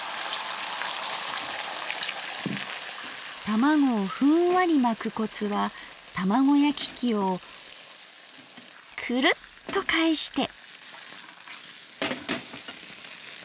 卵をふんわり巻くコツは卵焼き器をくるっと返して。